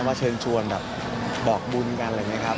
เชิญชวนแบบบอกบุญกันอะไรอย่างนี้ครับ